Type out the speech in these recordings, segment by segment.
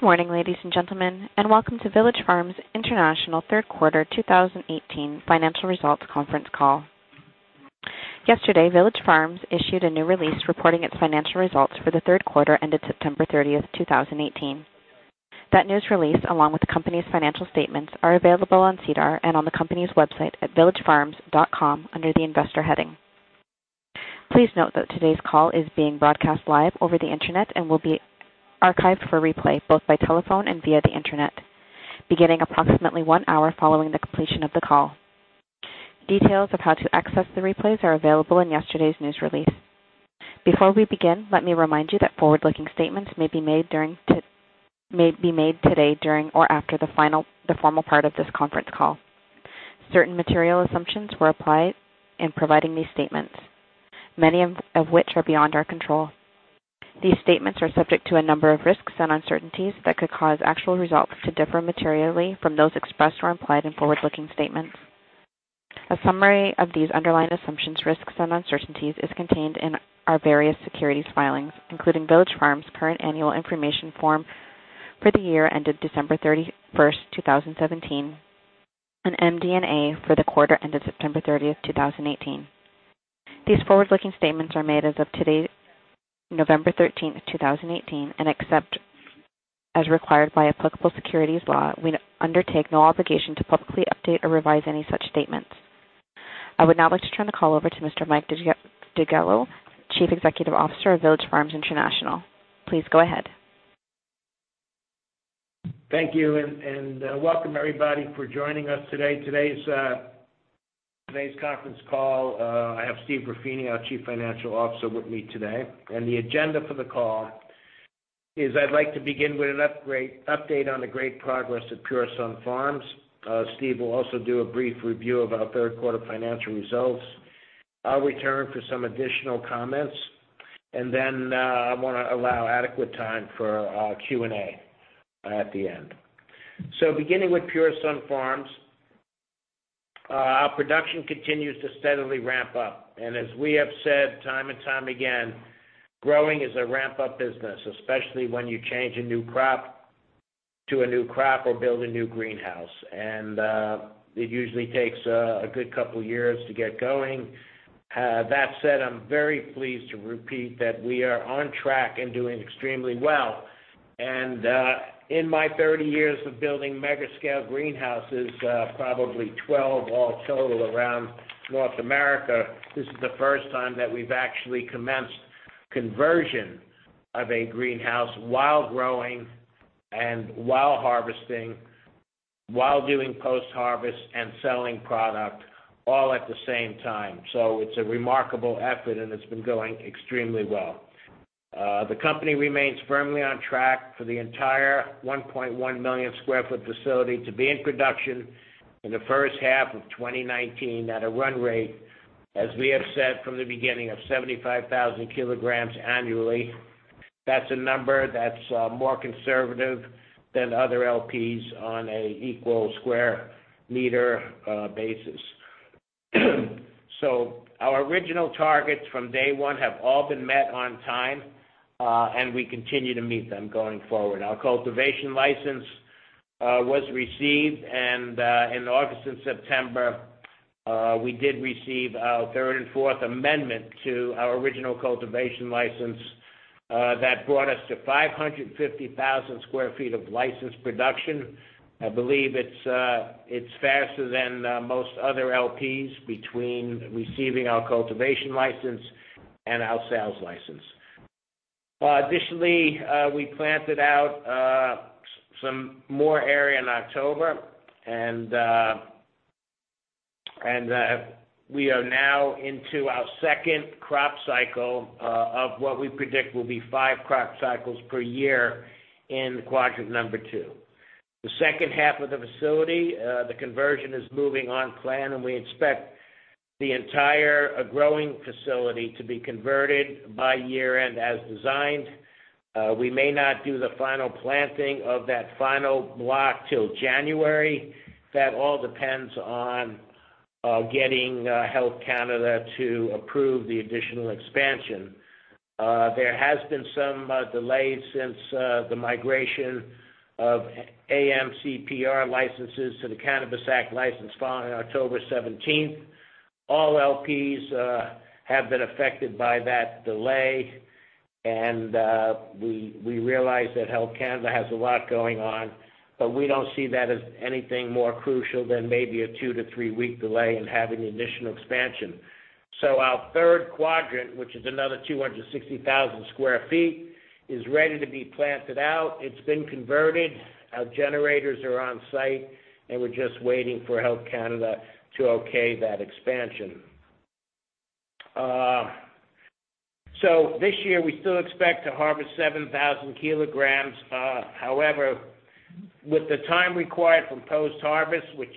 Good morning, ladies and gentlemen, and welcome to Village Farms International third quarter 2018 financial results conference call. Yesterday, Village Farms issued a news release reporting its financial results for the third quarter ended September 30th, 2018. That news release, along with the company's financial statements, are available on SEDAR and on the company's website at villagefarms.com under the Investor heading. Please note that today's call is being broadcast live over the internet and will be archived for replay, both by telephone and via the internet, beginning approximately one hour following the completion of the call. Details of how to access the replays are available in yesterday's news release. Before we begin, let me remind you that forward-looking statements may be made today during or after the formal part of this conference call. Certain material assumptions were applied in providing these statements, many of which are beyond our control. These statements are subject to a number of risks and uncertainties that could cause actual results to differ materially from those expressed or implied in forward-looking statements. A summary of these underlying assumptions, risks, and uncertainties is contained in our various securities filings, including Village Farms' current annual information form for the year ended December 31st, 2017, and MD&A for the quarter ended September 30th, 2018. These forward-looking statements are made as of today, November 13th, 2018. Except as required by applicable securities law, we undertake no obligation to publicly update or revise any such statements. I would now like to turn the call over to Mr. Mike DeGiglio, Chief Executive Officer of Village Farms International. Please go ahead. Thank you. Welcome, everybody, for joining us today. Today's conference call, I have Steve Ruffini, our Chief Financial Officer, with me today. The agenda for the call is I'd like to begin with an update on the great progress at Pure Sunfarms. Steve will also do a brief review of our third quarter financial results. I'll return for some additional comments. Then, I want to allow adequate time for our Q&A at the end. Beginning with Pure Sunfarms, our production continues to steadily ramp up. As we have said time and time again, growing is a ramp-up business, especially when you change a new crop to a new crop or build a new greenhouse. It usually takes a good couple of years to get going. That said, I'm very pleased to repeat that we are on track and doing extremely well. In my 30 years of building mega-scale greenhouses, probably 12 all total around North America, this is the first time that we've actually commenced conversion of a greenhouse while growing and while harvesting, while doing post-harvest and selling product all at the same time. It's a remarkable effort, and it's been going extremely well. The company remains firmly on track for the entire 1.1 million square foot facility to be in production in the first half of 2019 at a run rate, as we have said from the beginning, of 75,000 kilograms annually. That's a number that's more conservative than other LPs on an equal square meter basis. Our original targets from day one have all been met on time, and we continue to meet them going forward. Our cultivation license was received. In August and September, we did receive our third and fourth amendment to our original cultivation license that brought us to 550,000 square feet of licensed production. I believe it's faster than most other LPs between receiving our cultivation license and our sales license. Additionally, we planted out some more area in October, and we are now into our second crop cycle of what we predict will be five crop cycles per year in quadrant 2. The second half of the facility, the conversion is moving on plan, and we expect the entire growing facility to be converted by year-end as designed. We may not do the final planting of that final block till January. That all depends on getting Health Canada to approve the additional expansion. There has been some delays since the migration of ACMPR licenses to the Cannabis Act license filing October 17th. All LPs have been affected by that delay. We realize that Health Canada has a lot going on, but we don't see that as anything more crucial than maybe a two to three-week delay in having the additional expansion. Our third quadrant, which is another 260,000 square feet, is ready to be planted out. It's been converted. Our generators are on site, and we're just waiting for Health Canada to okay that expansion. This year, we still expect to harvest 7,000 kilograms. However, with the time required from post-harvest, which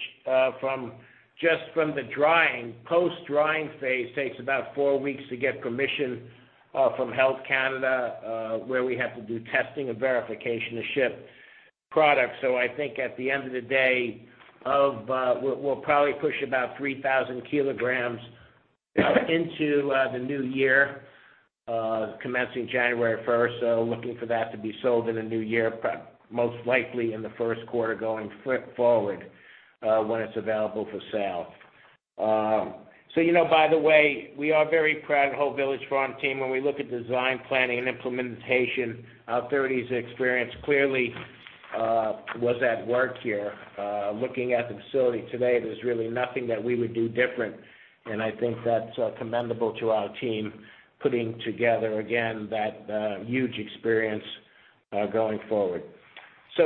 just from the post-drying phase, takes about four weeks to get permission from Health Canada, where we have to do testing and verification to ship product. I think at the end of the day, we'll probably push about 3,000 kilograms into the new year, commencing January 1st. Looking for that to be sold in the new year, most likely in the first quarter going forward, when it's available for sale. You know, by the way, we are very proud, the whole Village Farms team. When we look at design planning and implementation, our 30s experience clearly was at work here. Looking at the facility today, there's really nothing that we would do different, and I think that's commendable to our team, putting together, again, that huge experience, going forward.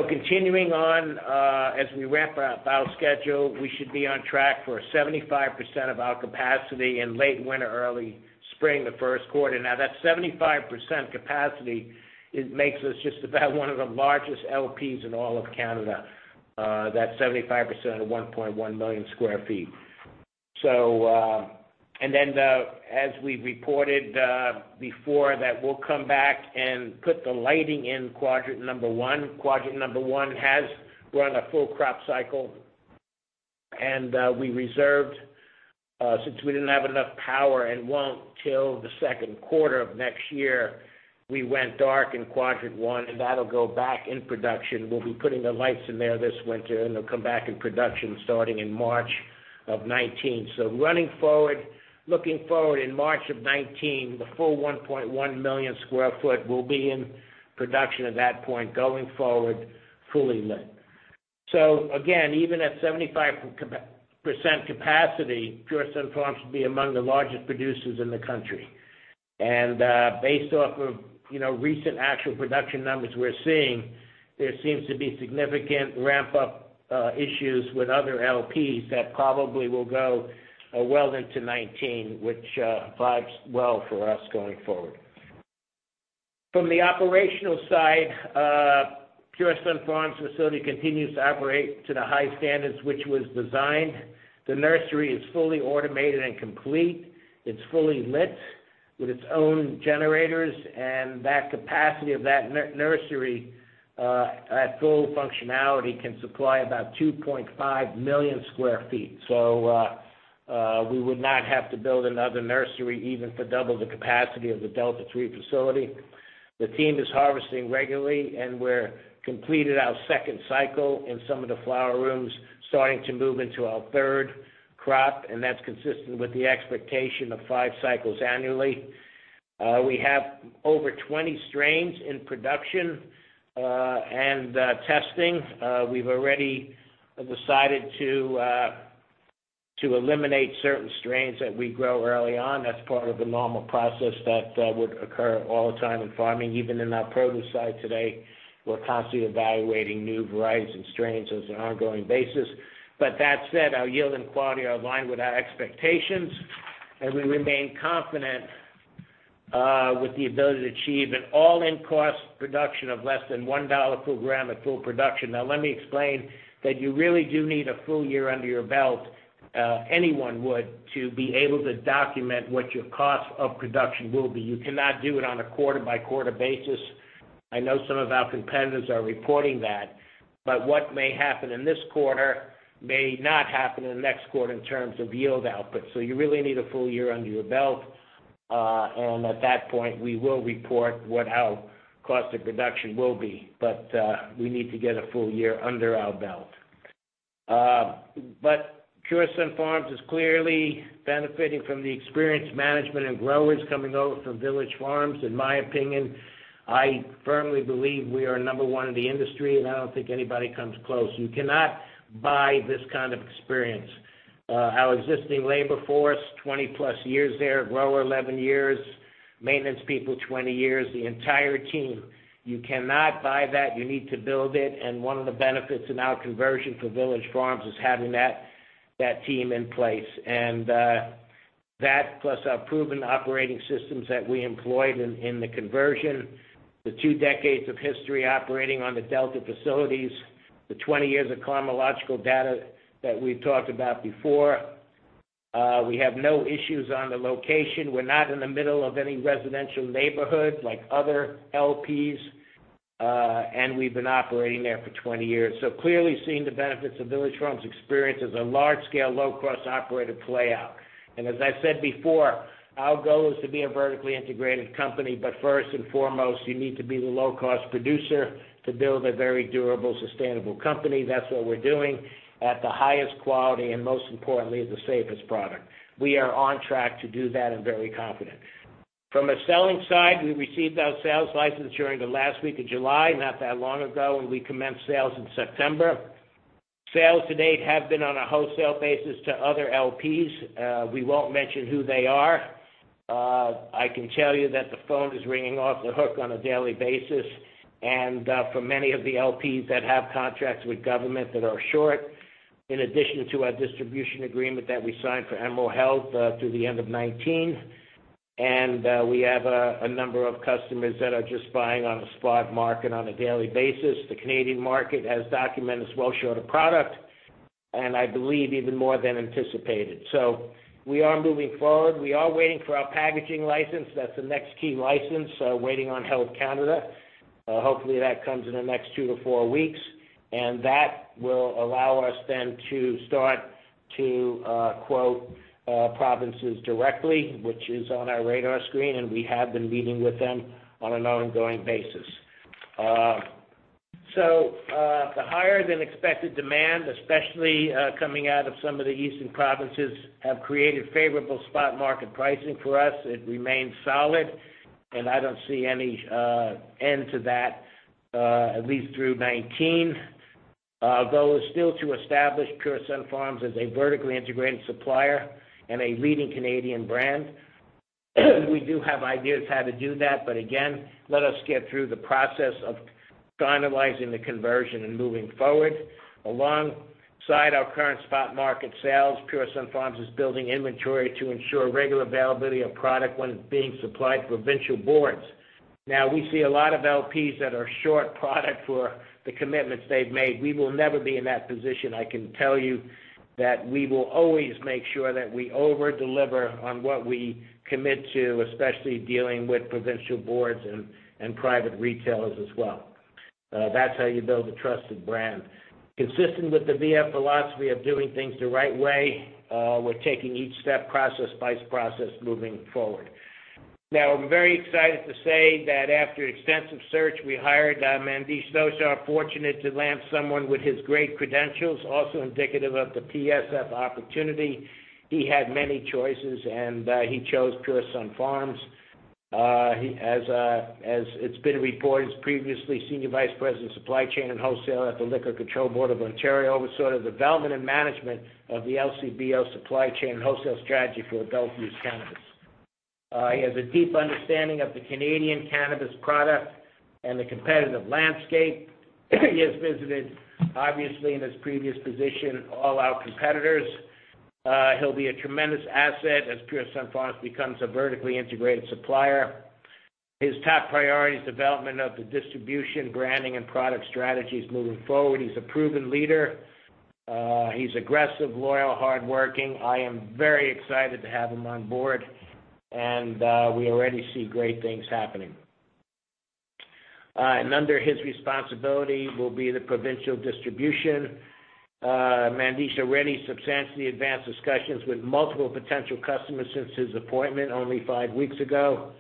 Continuing on, as we ramp our schedule, we should be on track for 75% of our capacity in late winter, early spring, the first quarter. That 75% capacity, it makes us just about one of the largest LPs in all of Canada. That 75% of 1.1 million square feet. Then, as we reported before, that we'll come back and put the lighting in quadrant 1. Quadrant 1 has run a full crop cycle. We reserved, since we didn't have enough power and won't till the second quarter of next year, we went dark in quadrant 1, and that'll go back in production. We'll be putting the lights in there this winter, and they'll come back in production starting in March of 2019. Looking forward, in March of 2019, the full 1.1 million square feet will be in production at that point, going forward, fully lit. Again, even at 75% capacity, Pure Sunfarms will be among the largest producers in the country. Based off of recent actual production numbers we're seeing, there seems to be significant ramp-up issues with other LPs that probably will go well into 2019, which bodes well for us going forward. From the operational side, Pure Sunfarms' facility continues to operate to the high standards which was designed. The nursery is fully automated and complete. It's fully lit with its own generators, and that capacity of that nursery, at full functionality, can supply about 2.5 million sq ft. We would not have to build another nursery even for double the capacity of the Delta 3 facility. The team is harvesting regularly, and we're completed our second cycle in some of the flower rooms, starting to move into our third crop, and that's consistent with the expectation of five cycles annually. We have over 20 strains in production and testing. We've already decided to eliminate certain strains that we grow early on. That's part of the normal process that would occur all the time in farming. Even in our produce side today, we're constantly evaluating new varieties and strains as an ongoing basis. That said, our yield and quality are aligned with our expectations, and we remain confident with the ability to achieve an all-in cost production of less than 1 dollar per gram at full production. Let me explain that you really do need a full year under your belt, anyone would, to be able to document what your cost of production will be. You cannot do it on a quarter-by-quarter basis. I know some of our competitors are reporting that. What may happen in this quarter may not happen in the next quarter in terms of yield output. You really need a full year under your belt. At that point, we will report what our cost of production will be. We need to get a full year under our belt. Pure Sunfarms is clearly benefiting from the experienced management and growers coming over from Village Farms. In my opinion, I firmly believe we are number one in the industry, and I don't think anybody comes close. You cannot buy this kind of experience. Our existing labor force, 20-plus years there, grower 11 years, maintenance people 20 years, the entire team. You cannot buy that. You need to build it, and one of the benefits in our conversion for Village Farms is having that team in place. That plus our proven operating systems that we employed in the conversion, the two decades of history operating on the Delta facilities, the 20 years of chronological data that we've talked about before. We have no issues on the location. We're not in the middle of any residential neighborhood like other LPs. We've been operating there for 20 years. Clearly seeing the benefits of Village Farms' experience as a large-scale, low-cost operator play out. As I said before, our goal is to be a vertically integrated company, first and foremost, you need to be the low-cost producer to build a very durable, sustainable company. That's what we're doing at the highest quality and, most importantly, the safest product. We are on track to do that and very confident. From a selling side, we received our sales license during the last week of July, not that long ago. We commenced sales in September. Sales to date have been on a wholesale basis to other LPs. We won't mention who they are. I can tell you that the phone is ringing off the hook on a daily basis for many of the LPs that have contracts with government that are short, in addition to our distribution agreement that we signed for Emerald Health, through the end of 2019. We have a number of customers that are just buying on a spot market on a daily basis. The Canadian market, as documented, is well short of product. I believe even more than anticipated. We are moving forward. We are waiting for our packaging license. That's the next key license, waiting on Health Canada. Hopefully, that comes in the next two to four weeks, and that will allow us then to start to quote provinces directly, which is on our radar screen. We have been meeting with them on an ongoing basis. The higher than expected demand, especially coming out of some of the eastern provinces, have created favorable spot market pricing for us. It remains solid, and I don't see any end to that, at least through 2019. The goal is still to establish Pure Sunfarms as a vertically integrated supplier and a leading Canadian brand. We do have ideas how to do that, but again, let us get through the process of finalizing the conversion and moving forward. Alongside our current spot market sales, Pure Sunfarms is building inventory to ensure regular availability of product when it's being supplied to provincial boards. We see a lot of LPs that are short product for the commitments they've made. We will never be in that position. I can tell you that we will always make sure that we over-deliver on what we commit to, especially dealing with provincial boards and private retailers as well. That's how you build a trusted brand. Consistent with the VF philosophy of doing things the right way, we're taking each step, process by process, moving forward. I'm very excited to say that after an extensive search, we hired Mandi. Fortunate to land someone with his great credentials. Also indicative of the PSF opportunity. He had many choices, and he chose Pure Sunfarms. As it's been reported previously, Senior Vice President, Supply Chain and Wholesale at the Liquor Control Board of Ontario, oversaw the development and management of the LCBO supply chain wholesale strategy for adult-use cannabis. He has a deep understanding of the Canadian cannabis product and the competitive landscape. He has visited, obviously, in his previous position, all our competitors. He'll be a tremendous asset as Pure Sunfarms becomes a vertically integrated supplier. His top priority is development of the distribution, branding, and product strategies moving forward. He's a proven leader. He's aggressive, loyal, hardworking. I am very excited to have him on board, and we already see great things happening. Under his responsibility will be the provincial distribution. Mandi's already substantially advanced discussions with multiple potential customers since his appointment only five weeks ago.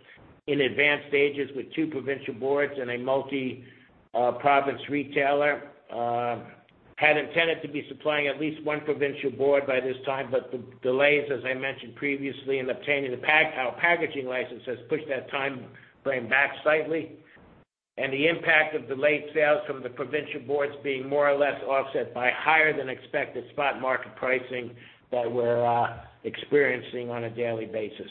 In advanced stages with two provincial boards and a multi-province retailer. Had intended to be supplying at least one provincial board by this time, but the delays, as I mentioned previously, in obtaining our packaging license, has pushed that timeframe back slightly. The impact of delayed sales from the provincial boards being more or less offset by higher than expected spot market pricing that we're experiencing on a daily basis.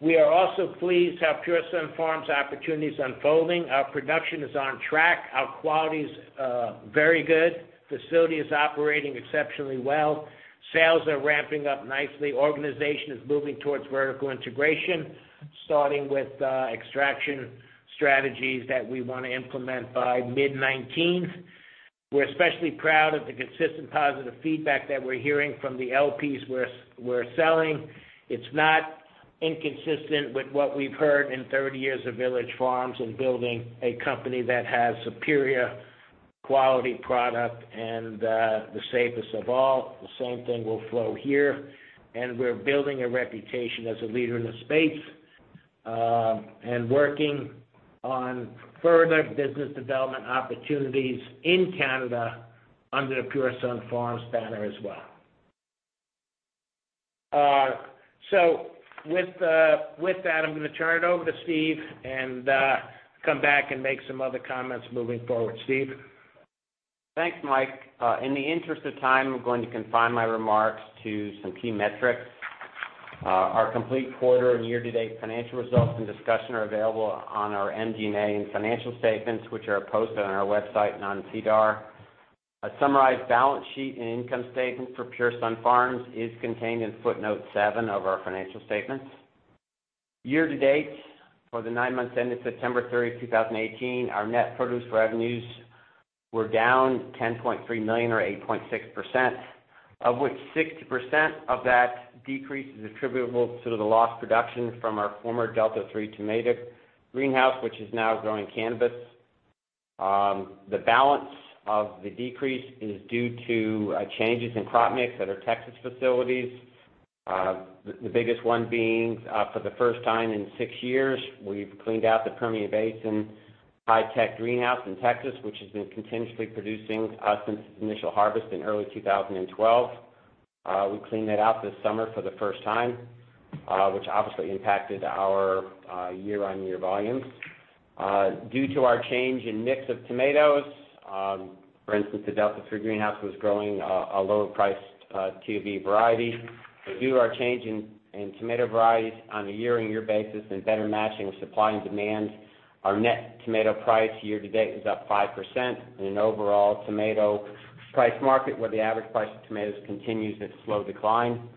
We are also pleased how Pure Sunfarms opportunities unfolding. Our production is on track. Our quality's very good. Facility is operating exceptionally well. Sales are ramping up nicely. Organization is moving towards vertical integration, starting with extraction strategies that we want to implement by mid 2019. We're especially proud of the consistent positive feedback that we're hearing from the LPs we're selling. It's not inconsistent with what we've heard in 30 years of Village Farms and building a company that has superior quality product and the safest of all. The same thing will flow here, and we're building a reputation as a leader in the space, and working on further business development opportunities in Canada under the Pure Sunfarms banner as well. With that, I'm going to turn it over to Steve and come back and make some other comments moving forward. Steve? Thanks, Mike. In the interest of time, I'm going to confine my remarks to some key metrics. Our complete quarter and year-to-date financial results and discussion are available on our MD&A and financial statements, which are posted on our website and on SEDAR. A summarized balance sheet and income statement for Pure Sunfarms is contained in footnote seven of our financial statements. Year-to-date, for the nine months ended September 30, 2018, our net produce revenues were down 10.3 million or 8.6%, of which 60% of that decrease is attributable to the lost production from our former Delta 3 tomato greenhouse, which is now growing cannabis. The balance of the decrease is due to changes in crop mix at our Texas facilities. The biggest one being for the first time in six years, we've cleaned out the Permian Basin high-tech greenhouse in Texas, which has been continuously producing since its initial harvest in early 2012. We cleaned that out this summer for the first time, which obviously impacted our year-on-year volumes. Due to our change in mix of tomatoes, for instance, the Delta 3 greenhouse was growing a lower priced TOV variety. Due to our change in tomato varieties on a year-over-year basis and better matching of supply and demand, our net tomato price year to date is up 5% in an overall tomato price market where the average price of tomatoes continues its slow decline.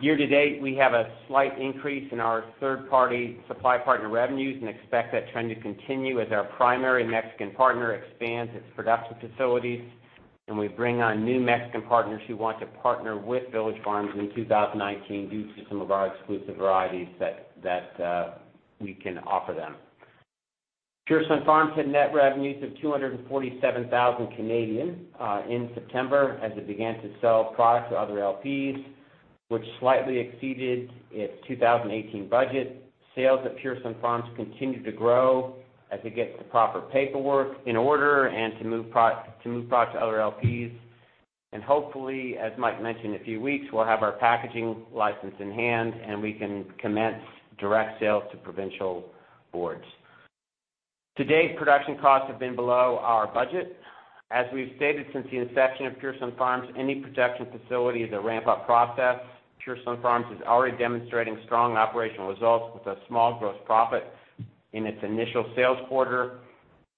Year to date, we have a slight increase in our third-party supply partner revenues and expect that trend to continue as our primary Mexican partner expands its production facilities, and we bring on new Mexican partners who want to partner with Village Farms in 2019 due to some of our exclusive varieties that we can offer them. Pure Sunfarms had net revenues of 247,000 in September as it began to sell product to other LPs, which slightly exceeded its 2018 budget. Sales at Pure Sunfarms continue to grow as it gets the proper paperwork in order and to move product to other LPs. Hopefully, as Mike mentioned, in a few weeks, we'll have our packaging license in hand, and we can commence direct sales to provincial boards. To date, production costs have been below our budget. As we've stated since the inception of Pure Sunfarms, any production facility is a ramp-up process. Pure Sunfarms is already demonstrating strong operational results with a small gross profit in its initial sales quarter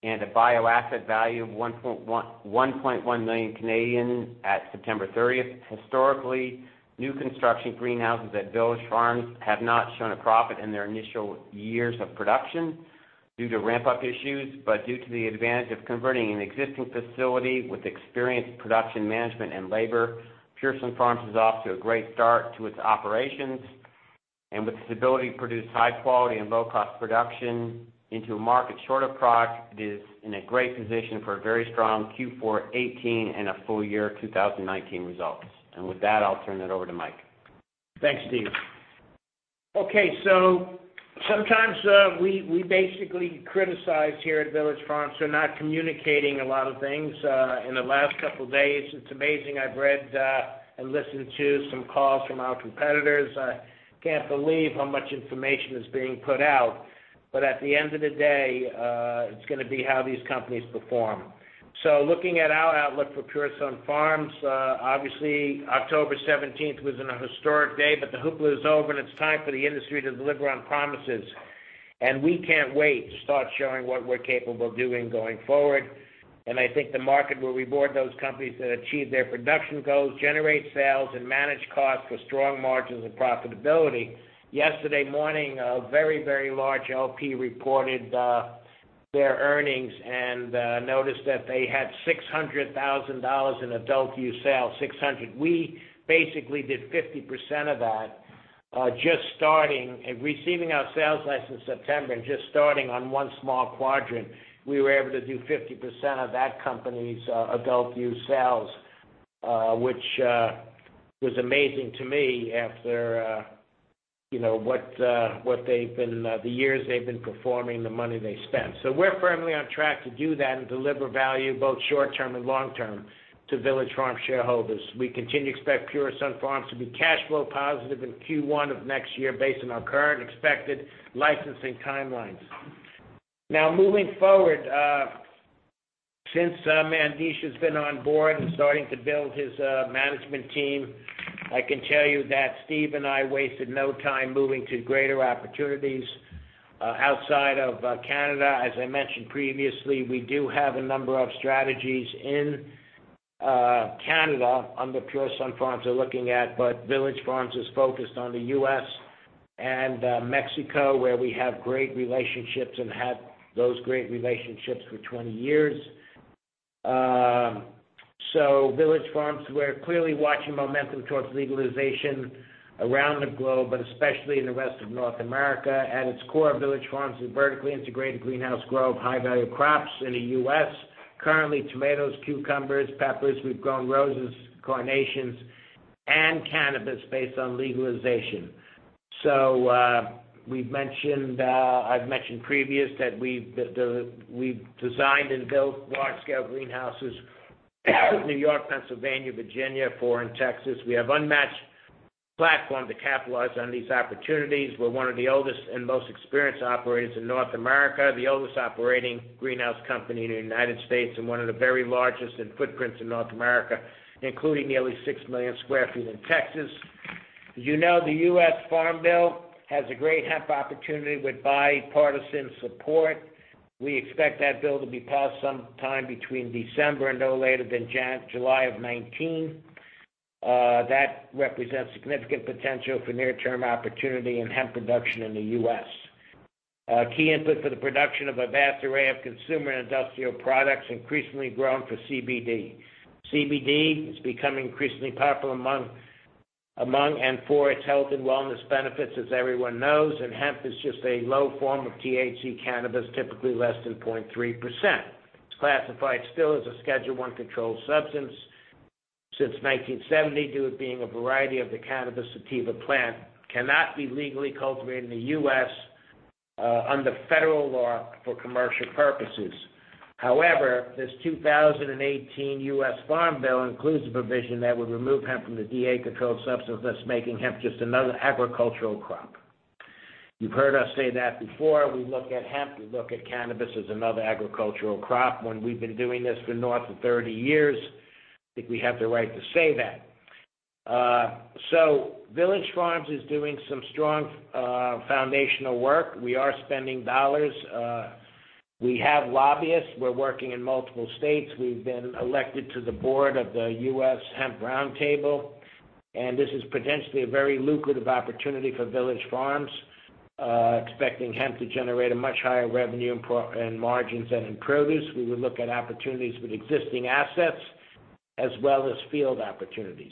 and a bioasset value of 1.1 million at September 30th. Historically, new construction greenhouses at Village Farms have not shown a profit in their initial years of production due to ramp-up issues. Due to the advantage of converting an existing facility with experienced production management and labor, Pure Sunfarms is off to a great start to its operations. With its ability to produce high quality and low-cost production into a market short of product, it is in a great position for very strong Q4 2018 and full year 2019 results. With that, I'll turn it over to Mike. Thanks, Steve. Okay. Sometimes, we basically criticize here at Village Farms for not communicating a lot of things. In the last couple of days, it's amazing, I've read and listened to some calls from our competitors. I can't believe how much information is being put out. At the end of the day, it's going to be how these companies perform. Looking at our outlook for Pure Sunfarms, obviously, October 17th was an historic day, but the hoopla is over, and it's time for the industry to deliver on promises. We can't wait to start showing what we're capable of doing going forward. I think the market will reward those companies that achieve their production goals, generate sales and manage costs with strong margins and profitability. Yesterday morning, a very, very large LP reported their earnings and noticed that they had 600,000 dollars in adult-use sales. 600. We basically did 50% of that just starting and receiving our sales license September and just starting on one small quadrant. We were able to do 50% of that company's adult-use sales, which was amazing to me after the years they've been performing, the money they spent. We're firmly on track to do that and deliver value, both short-term and long-term, to Village Farms shareholders. We continue to expect Pure Sunfarms to be cash flow positive in Q1 of next year based on our current expected licensing timelines. Moving forward, since Mandesh has been on board and starting to build his management team, I can tell you that Steve and I wasted no time moving to greater opportunities outside of Canada. As I mentioned previously, we do have a number of strategies in Canada under Pure Sunfarms we're looking at, but Village Farms is focused on the U.S. and Mexico, where we have great relationships and have had those great relationships for 20 years. Village Farms, we're clearly watching momentum towards legalization around the globe, but especially in the rest of North America. At its core, Village Farms is a vertically integrated greenhouse grove, high value crops in the U.S. Currently, tomatoes, cucumbers, peppers. We've grown roses, carnations, and cannabis based on legalization. I've mentioned previous that we've designed and built large-scale greenhouses in New York, Pennsylvania, Virginia, four in Texas. We have unmatched platform to capitalize on these opportunities. We're one of the oldest and most experienced operators in North America, the oldest operating greenhouse company in the United States, and one of the very largest in footprints in North America, including nearly 6 million sq ft in Texas. As you know, the U.S. Farm Bill has a great hemp opportunity with bipartisan support. We expect that bill to be passed sometime between December and no later than July of 2019. That represents significant potential for near-term opportunity in hemp production in the U.S. A key input for the production of a vast array of consumer and industrial products increasingly grown for CBD. CBD is becoming increasingly popular among and for its health and wellness benefits, as everyone knows, and hemp is just a low form of THC cannabis, typically less than 0.3%. It's classified still as a Schedule I controlled substance since 1970 due to it being a variety of the Cannabis sativa plant. Cannot be legally cultivated in the U.S. under federal law for commercial purposes. However, this 2018 U.S. Farm Bill includes a provision that would remove hemp from the DEA controlled substance, thus making hemp just another agricultural crop. You've heard us say that before. We look at hemp, we look at cannabis as another agricultural crop when we've been doing this for north of 30 years. I think we have the right to say that. Village Farms is doing some strong foundational work. We are spending dollars. We have lobbyists. We're working in multiple states. We've been elected to the board of the U.S. Hemp Roundtable, and this is potentially a very lucrative opportunity for Village Farms. Expecting hemp to generate a much higher revenue and margins than in produce. We would look at opportunities with existing assets as well as field opportunities.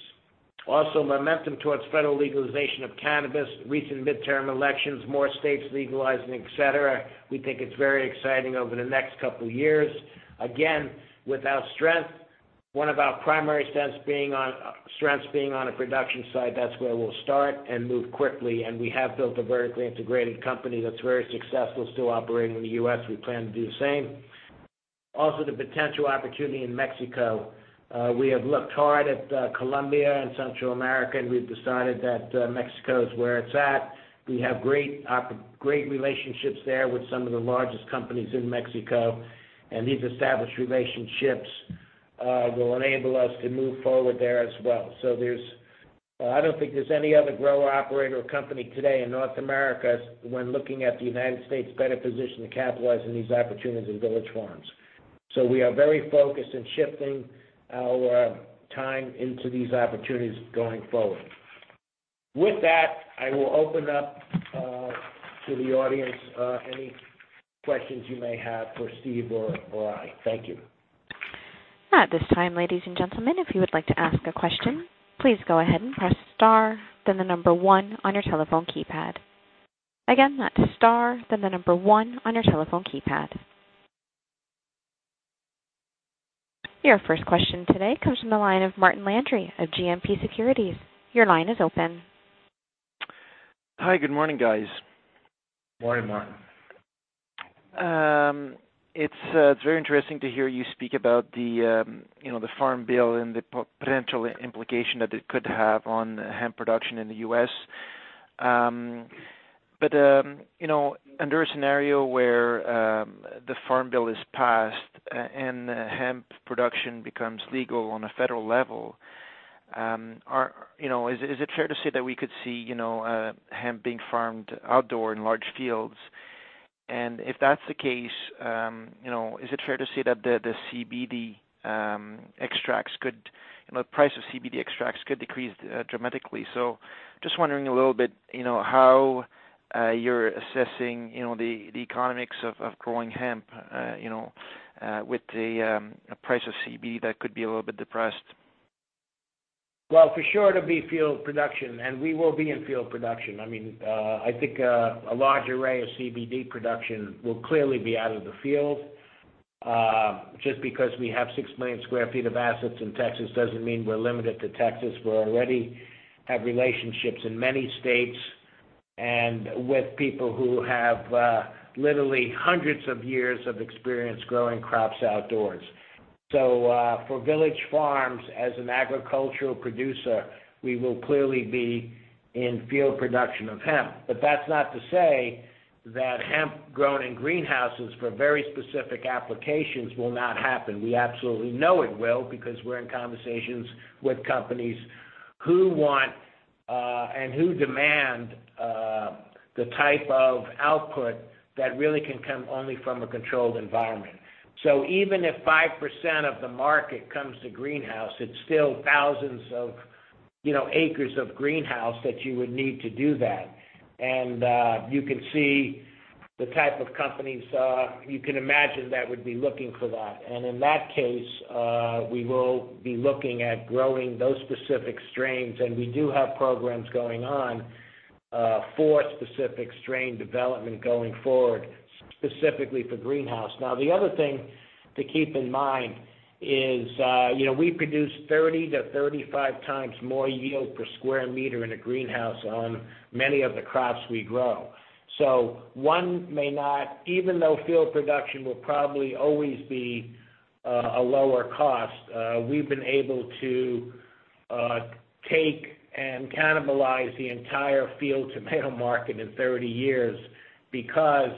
Momentum towards federal legalization of cannabis. Recent midterm elections, more states legalizing, et cetera. We think it's very exciting over the next couple of years. Again, with our strength, one of our primary strengths being on a production side, that's where we'll start and move quickly, and we have built a vertically integrated company that's very successful still operating in the U.S. We plan to do the same. The potential opportunity in Mexico. We have looked hard at Colombia and Central America, and we've decided that Mexico is where it's at. We have great relationships there with some of the largest companies in Mexico, and these established relationships will enable us to move forward there as well. I don't think there's any other grower, operator or company today in North America when looking at the U.S., better positioned to capitalize on these opportunities than Village Farms. We are very focused and shifting our time into these opportunities going forward. With that, I will open up to the audience, any questions you may have for Steve or I. Thank you. At this time, ladies and gentlemen, if you would like to ask a question, please go ahead and press star, then the number 1 on your telephone keypad. Again, that's star, then the number 1 on your telephone keypad. Your first question today comes from the line of Martin Landry of GMP Securities. Your line is open. Hi. Good morning, guys. Morning, Martin. It's very interesting to hear you speak about the Farm Bill and the potential implication that it could have on hemp production in the U.S. Under a scenario where the Farm Bill is passed and hemp production becomes legal on a federal level, is it fair to say that we could see hemp being farmed outdoor in large fields? If that's the case, is it fair to say that the price of CBD extracts could decrease dramatically? Just wondering a little bit, how you're assessing the economics of growing hemp with the price of CBD that could be a little bit depressed. Well, for sure, it'll be field production, and we will be in field production. I think a large array of CBD production will clearly be out of the field. Just because we have 6 million sq ft of assets in Texas doesn't mean we're limited to Texas. We already have relationships in many states and with people who have literally hundreds of years of experience growing crops outdoors. For Village Farms as an agricultural producer, we will clearly be in field production of hemp. That's not to say that hemp grown in greenhouses for very specific applications will not happen. We absolutely know it will because we're in conversations with companies who want and who demand the type of output that really can come only from a controlled environment. Even if 5% of the market comes to greenhouse, it's still thousands of acres of greenhouse that you would need to do that. You can see the type of companies you can imagine that would be looking for that. In that case, we will be looking at growing those specific strains. We do have programs going on for specific strain development going forward, specifically for greenhouse. Now, the other thing to keep in mind is we produce 30 to 35 times more yield per sq m in a greenhouse on many of the crops we grow. One may not, even though field production will probably always be a lower cost, we've been able to take and cannibalize the entire field tomato market in 30 years because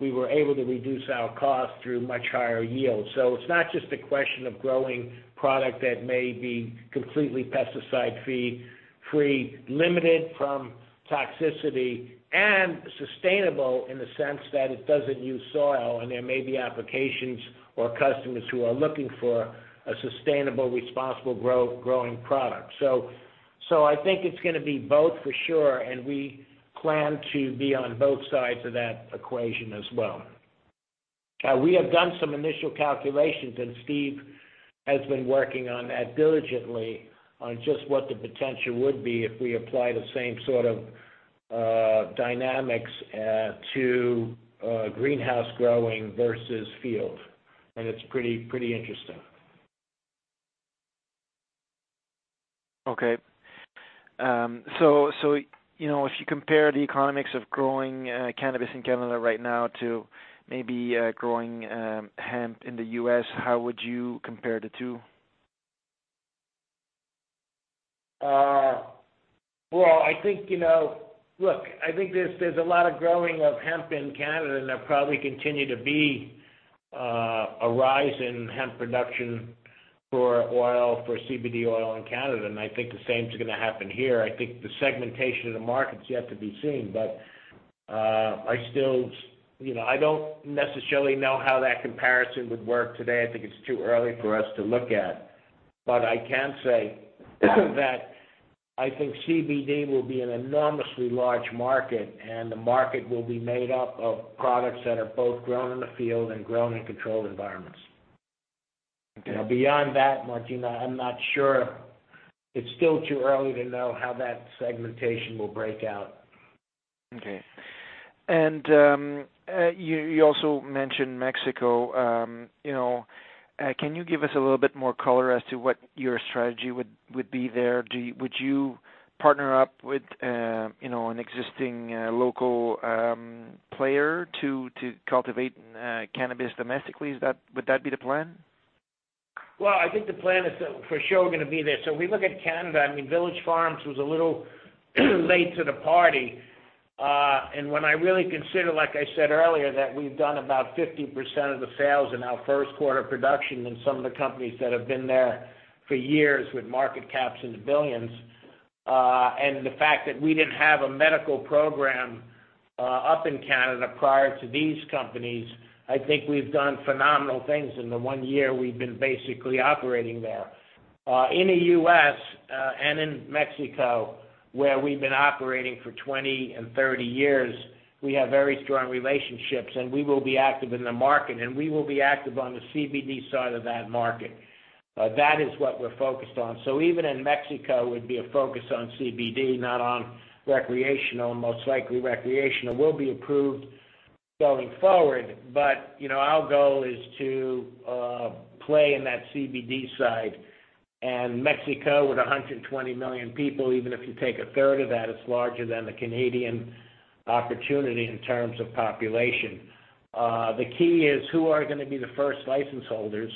we were able to reduce our cost through much higher yields. It's not just a question of growing product that may be completely pesticide free, limited from toxicity, and sustainable in the sense that it doesn't use soil and there may be applications or customers who are looking for a sustainable, responsible growing product. I think it's going to be both for sure, and we plan to be on both sides of that equation as well. We have done some initial calculations, and Steve has been working on that diligently on just what the potential would be if we apply the same sort of dynamics to greenhouse growing versus field. It's pretty interesting. Okay. If you compare the economics of growing cannabis in Canada right now to maybe growing hemp in the U.S., how would you compare the two? Look, I think there's a lot of growing of hemp in Canada, and there'll probably continue to be a rise in hemp production for oil, for CBD oil in Canada, and I think the same is going to happen here. I think the segmentation of the market is yet to be seen. I don't necessarily know how that comparison would work today. I think it's too early for us to look at. I can say that I think CBD will be an enormously large market, and the market will be made up of products that are both grown in the field and grown in controlled environments. Okay. Beyond that, Martin, I'm not sure. It's still too early to know how that segmentation will break out. Okay. You also mentioned Mexico. Can you give us a little bit more color as to what your strategy would be there? Would you partner up with an existing local player to cultivate cannabis domestically? Would that be the plan? Well, I think the plan is that we're for sure going to be there. We look at Canada, Village Farms was a little late to the party. When I really consider, like I said earlier, that we've done about 50% of the sales in our first quarter of production than some of the companies that have been there for years with market caps in the billions. The fact that we didn't have a medical program up in Canada prior to these companies, I think we've done phenomenal things in the one year we've been basically operating there. In the U.S., and in Mexico, where we've been operating for 20 and 30 years, we have very strong relationships and we will be active in the market, and we will be active on the CBD side of that market. That is what we're focused on. Even in Mexico, it would be a focus on CBD, not on recreational. Most likely, recreational will be approved going forward, but our goal is to play in that CBD side. Mexico, with 120 million people, even if you take a third of that, it's larger than the Canadian opportunity in terms of population. The key is who are going to be the first license holders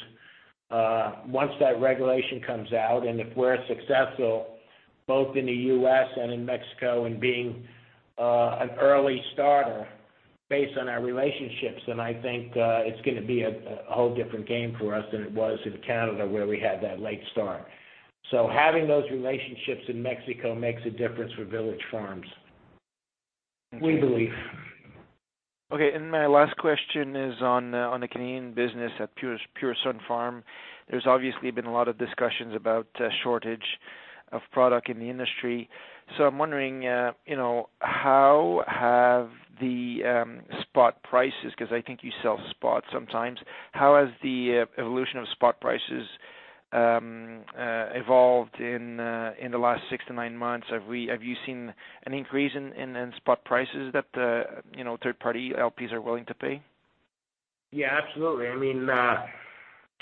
once that regulation comes out, and if we're successful both in the U.S. and in Mexico in being an early starter based on our relationships. I think it's going to be a whole different game for us than it was in Canada where we had that late start. Having those relationships in Mexico makes a difference for Village Farms. Okay. We believe. Okay, my last question is on the Canadian business at Pure Sunfarms. There's obviously been a lot of discussions about a shortage of product in the industry. I'm wondering, how have the spot prices, because I think you sell spot sometimes. How has the evolution of spot prices evolved in the last six to nine months? Have you seen an increase in spot prices that third party LPs are willing to pay? Yeah, absolutely.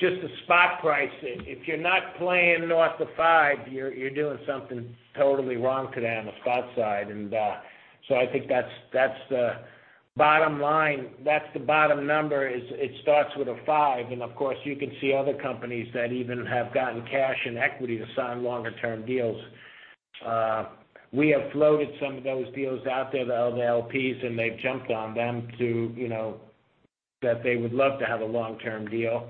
Just the spot price, if you're not playing north of five, you're doing something totally wrong today on the spot side. I think that's the bottom line. That's the bottom number, is it starts with a five, and of course, you can see other companies that even have gotten cash and equity to sign longer term deals. We have floated some of those deals out there to LPs and they've jumped on them to, that they would love to have a long term deal.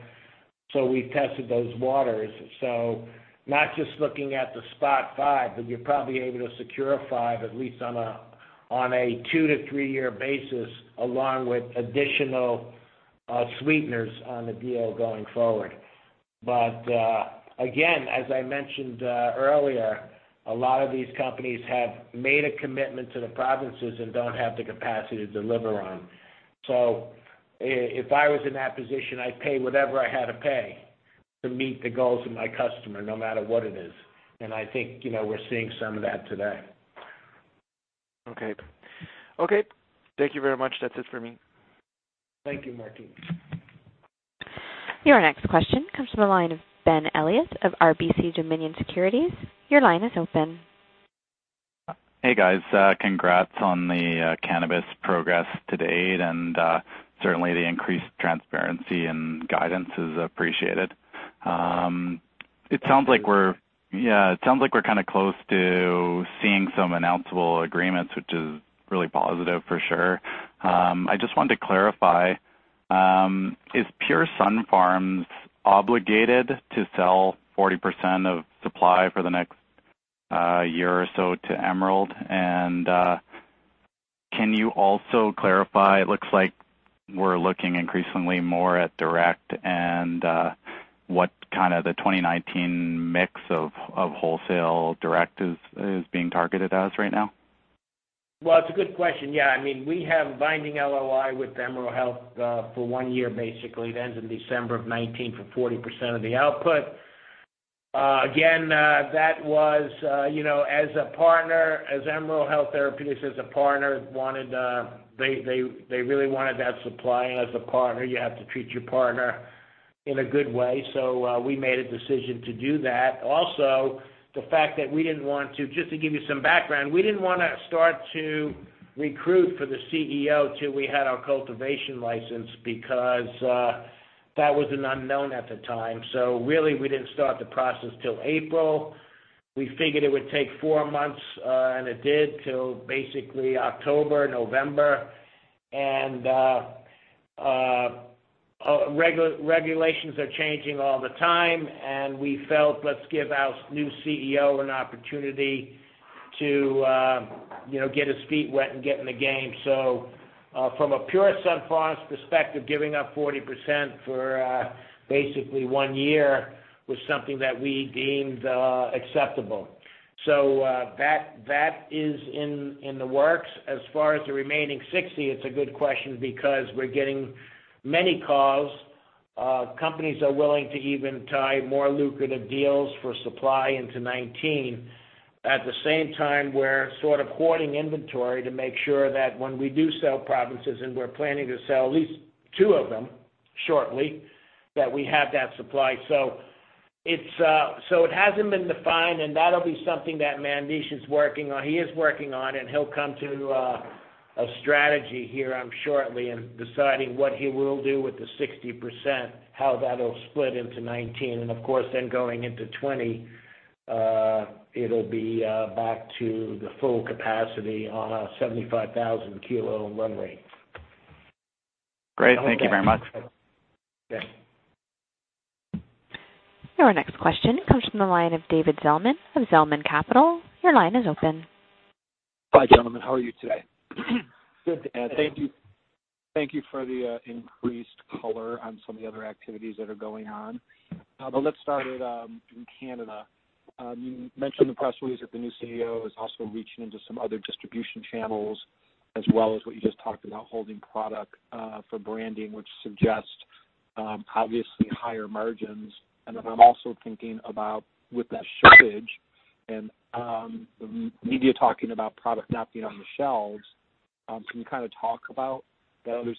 We've tested those waters. Not just looking at the spot five, but you're probably able to secure a five at least on a two to three year basis along with additional sweeteners on the deal going forward. Again, as I mentioned earlier, a lot of these companies have made a commitment to the provinces and don't have the capacity to deliver on. If I was in that position, I'd pay whatever I had to pay to meet the goals of my customer, no matter what it is. I think we're seeing some of that today. Okay. Thank you very much. That's it for me. Thank you, Martin. Your next question comes from the line of Ben Elliott of RBC Dominion Securities. Your line is open. Hey, guys. Congrats on the cannabis progress to date and, certainly the increased transparency and guidance is appreciated. Thank you. Yeah. It sounds like we're kind of close to seeing some announceable agreements, which is really positive for sure. I just wanted to clarify, is Pure Sunfarms obligated to sell 40% of supply for the next year or so to Emerald? Can you also clarify, it looks like we're looking increasingly more at direct and what the 2019 mix of wholesale direct is being targeted as right now? Well, it's a good question. Yeah, we have a binding LOI with Emerald Health for one year, basically. It ends in December of 2019 for 40% of the output. Again, that was as Emerald Health Therapeutics, as a partner, they really wanted that supply. As a partner, you have to treat your partner in a good way. We made a decision to do that. Also, just to give you some background, we didn't want to start to recruit for the CEO till we had our cultivation license because that was an unknown at the time. Really, we didn't start the process till April. We figured it would take four months, and it did, till basically October, November. Regulations are changing all the time, and we felt let's give our new CEO an opportunity to get his feet wet and get in the game. From a Pure Sunfarms perspective, giving up 40% for basically one year was something that we deemed acceptable. That is in the works. As far as the remaining 60%, it's a good question because we're getting many calls. Companies are willing to even tie more lucrative deals for supply into 2019. At the same time, we're sort of hoarding inventory to make sure that when we do sell provinces, and we're planning to sell at least two of them shortly, that we have that supply. It hasn't been defined, and that'll be something that Mandesh is working on. He is working on, he'll come to a strategy here shortly in deciding what he will do with the 60%, how that'll split into 2019. Of course, then going into 2020, it'll be back to the full capacity on a 75,000 kilo run rate. Great. Thank you very much. Yes. Your next question comes from the line of David Zelman of Zelman Capital. Your line is open. Hi, gentlemen. How are you today? Good. Thank you for the increased color on some of the other activities that are going on. Let's start in Canada. You mentioned in the press release that the new CEO is also reaching into some other distribution channels, as well as what you just talked about, holding product for branding, which suggests, obviously, higher margins. I'm also thinking about with that shortage and the media talking about product not being on the shelves, can you kind of talk about that other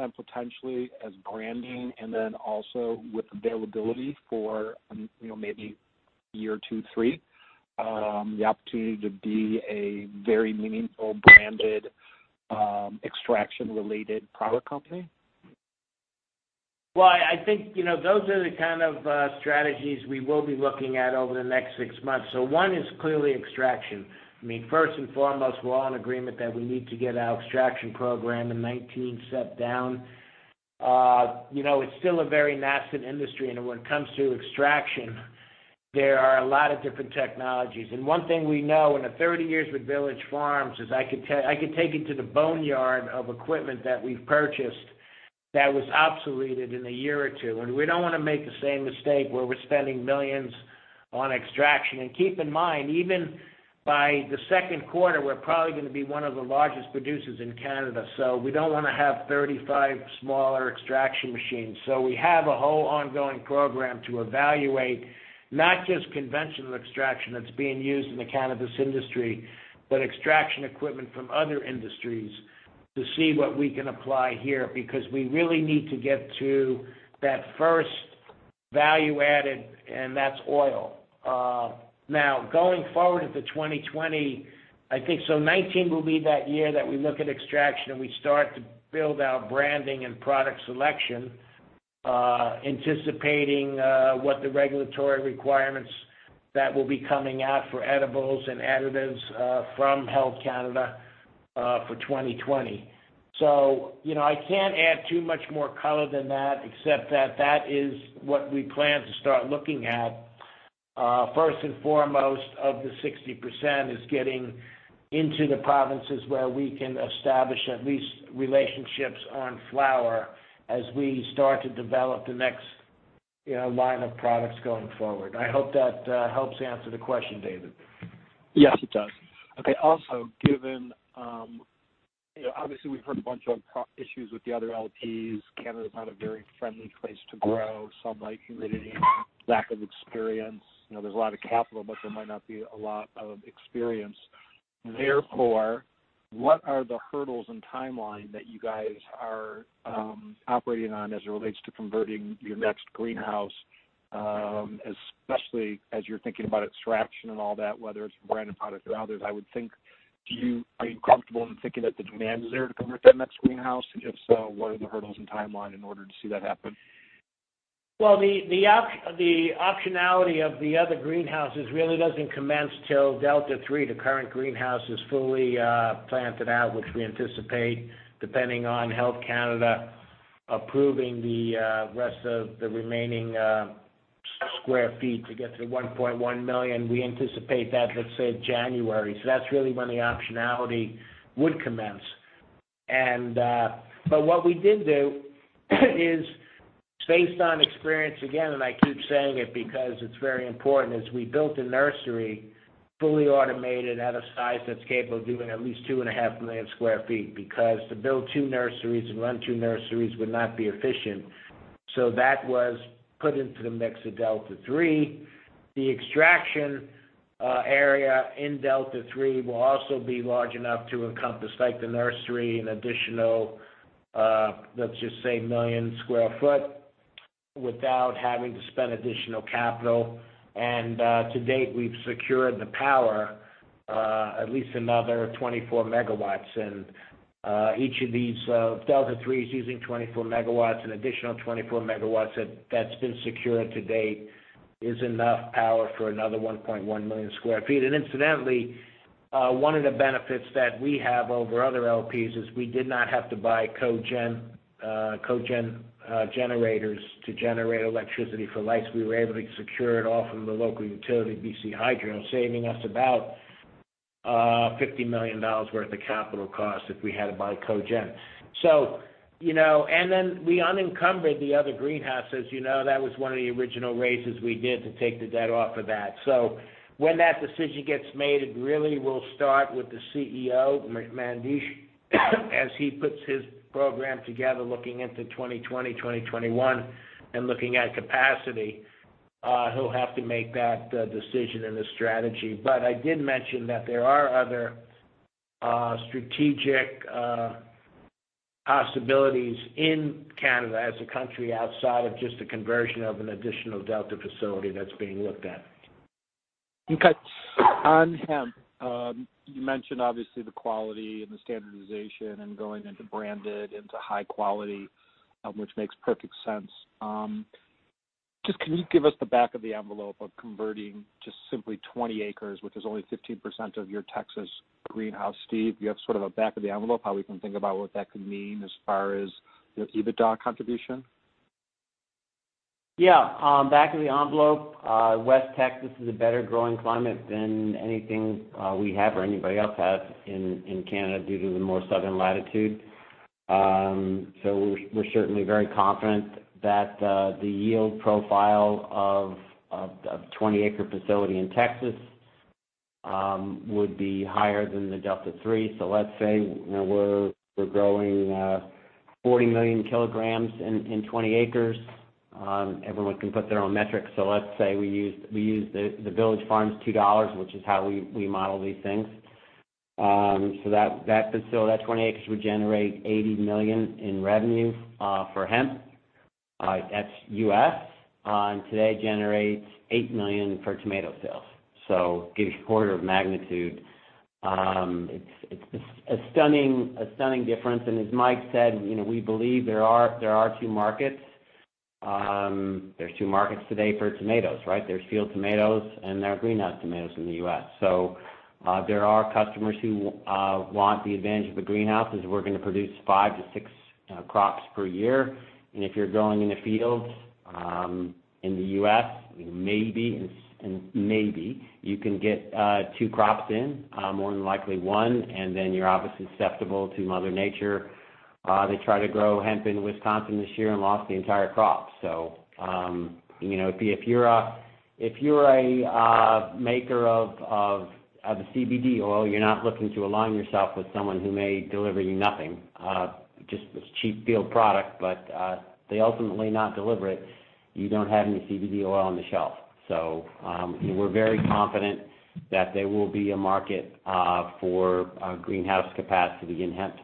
60% potentially as branding and then also with availability for maybe a year or two, three, the opportunity to be a very meaningful branded, extraction-related product company? Well, I think those are the kind of strategies we will be looking at over the next six months. One is clearly extraction. First and foremost, we're all in agreement that we need to get our extraction program in 2019 set down. It's still a very nascent industry, when it comes to extraction, there are a lot of different technologies. One thing we know, in the 30 years with Village Farms, is I could take you to the bone yard of equipment that we've purchased that was obsoleted in a year or two, and we don't want to make the same mistake where we're spending millions on extraction. Keep in mind, even by the second quarter, we're probably going to be one of the largest producers in Canada, so we don't want to have 35 smaller extraction machines. We have a whole ongoing program to evaluate, not just conventional extraction that's being used in the cannabis industry, but extraction equipment from other industries to see what we can apply here, because we really need to get to that first value added, and that's oil. Going forward into 2020, I think 2019 will be that year that we look at extraction and we start to build our branding and product selection, anticipating what the regulatory requirements that will be coming out for edibles and additives from Health Canada for 2020. I can't add too much more color than that, except that that is what we plan to start looking at. First and foremost of the 60% is getting into the provinces where we can establish at least relationships on flower as we start to develop the next line of products going forward. I hope that helps answer the question, David. Yes, it does. Okay. Given, obviously, we've heard a bunch of issues with the other LPs. Canada is not a very friendly place to grow, sunlight, humidity, lack of experience. There's a lot of capital, but there might not be a lot of experience. What are the hurdles and timeline that you guys are operating on as it relates to converting your next greenhouse, especially as you're thinking about extraction and all that, whether it's branded product or others? Are you comfortable in thinking that the demand is there to convert that next greenhouse? If so, what are the hurdles and timeline in order to see that happen? The optionality of the other greenhouses really doesn't commence till Delta 3, the current greenhouse, is fully planted out, which we anticipate, depending on Health Canada approving the rest of the remaining square feet to get to the 1.1 million. We anticipate that, let's say, January. That's really when the optionality would commence. What we did do is based on experience, again, and I keep saying it because it's very important, is we built a nursery, fully automated at a size that's capable of doing at least two and a half million square feet, because to build two nurseries and run two nurseries would not be efficient. That was put into the mix of Delta 3. The extraction area in Delta 3 will also be large enough to encompass, like the nursery, an additional, let's just say, million square foot without having to spend additional capital. To date, we've secured the power, at least another 24 megawatts. Each of these Delta 3 is using 24 megawatts. Additional 24 megawatts that's been secured to date is enough power for another 1.1 million sq ft. Incidentally, one of the benefits that we have over other LPs is we did not have to buy cogen generators to generate electricity for lights. We were able to secure it all from the local utility, BC Hydro, saving us about 50 million dollars worth of capital costs if we had to buy cogen. Then we unencumbered the other greenhouses. That was one of the original raises we did to take the debt off of that. When that decision gets made, it really will start with the CEO, Mandesh, as he puts his program together looking into 2020, 2021 and looking at capacity. He'll have to make that decision and the strategy. I did mention that there are other strategic possibilities in Canada as a country outside of just the conversion of an additional Delta facility that's being looked at. Okay. On hemp, you mentioned, obviously, the quality and the standardization and going into branded, into high quality, which makes perfect sense. Just, can you give us the back of the envelope of converting just simply 20 acres, which is only 15% of your Texas greenhouse, Steve? Do you have sort of a back of the envelope, how we can think about what that could mean as far as the EBITDA contribution? Yeah. Back of the envelope, West Texas is a better growing climate than anything we have or anybody else has in Canada due to the more southern latitude. We're certainly very confident that the yield profile of a 20-acre facility in Texas would be higher than the Delta 3. Let's say we're growing 40 million kilograms in 20 acres. Everyone can put their own metrics. Let's say we use the Village Farms $2, which is how we model these things. That facility, that 20 acres, would generate $80 million in revenue for hemp. That's U.S. Today, it generates $8 million for tomato sales. It gives you an order of magnitude. It's a stunning difference. As Mike said, we believe there are two markets. There's two markets today for tomatoes, right? There's field tomatoes and there are greenhouse tomatoes in the U.S. There are customers who want the advantage of a greenhouse, as we're going to produce five to six crops per year. If you're growing in a field in the U.S., maybe you can get two crops in. More than likely one, and then you're obviously susceptible to Mother Nature. They tried to grow hemp in Wisconsin this year and lost the entire crop. If you're a maker of CBD oil, you're not looking to align yourself with someone who may deliver you nothing. Just this cheap field product, but they ultimately not deliver it. You don't have any CBD oil on the shelf. We're very confident that there will be a market for greenhouse capacity in hemp.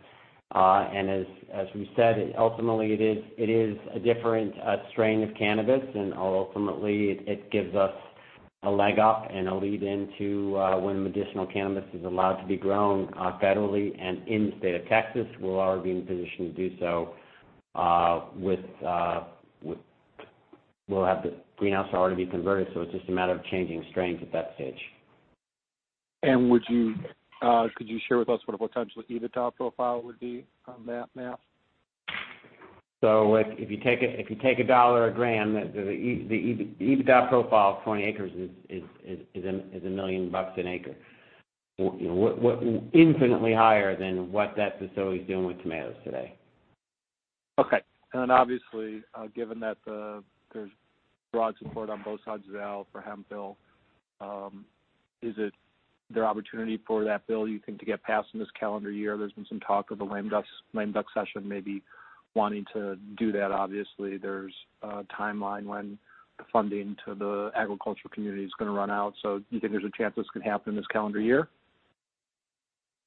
As we said, ultimately, it is a different strain of cannabis, and ultimately, it gives us a leg up and a lead into when medicinal cannabis is allowed to be grown federally and in the state of Texas, we'll already be in position to do so. We'll have the greenhouse already be converted, so it's just a matter of changing strains at that stage. Could you share with us what a potential EBITDA profile would be on that now? If you take CAD 1 a gram, the EBITDA profile of 20 acres is 1 million bucks an acre. Infinitely higher than what that facility's doing with tomatoes today. Okay. Obviously, given that there's broad support on both sides of the aisle for the hemp bill, is there opportunity for that bill, you think, to get passed in this calendar year? There's been some talk of the lame duck session maybe wanting to do that. Obviously, there's a timeline when the funding to the agricultural community is going to run out. Do you think there's a chance this could happen this calendar year?